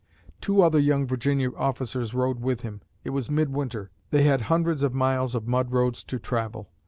Two other young Virginia officers rode with him. It was midwinter. They had hundreds of miles of mud roads to travel.